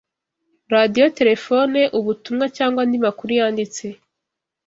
radiotelefone ubutumwa cyangwa andi makuru yanditse